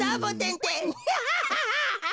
ハハハハハ！